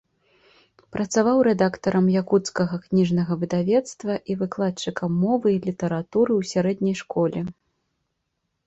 Працаваў рэдактарам якуцкага кніжнага выдавецтва і выкладчыкам мовы і літаратуры ў сярэдняй школе.